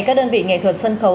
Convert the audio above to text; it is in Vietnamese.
các đơn vị nghệ thuật sân khấu